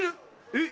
えっ？